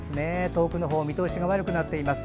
遠くの方見通しが悪くなっています。